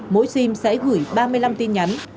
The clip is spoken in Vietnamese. mỗi sim sẽ gửi ba mươi năm tin nhắn